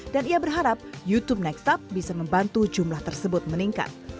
dan ia berharap youtube nextup bisa membantu jumlah tersebut meningkat